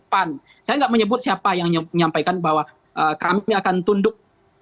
pan saya nggak menyebut siapa yang menyampaikan bahwa kami akan tunduk